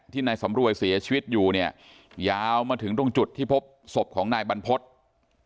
นายสำรวยเสียชีวิตอยู่เนี่ยยาวมาถึงตรงจุดที่พบศพของนายบรรพฤษ